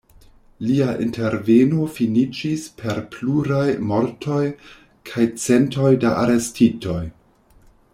Lia interveno finiĝis per pluraj mortoj kaj centoj da arestitoj.